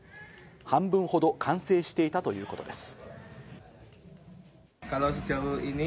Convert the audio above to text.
半分ほど完成していたということです。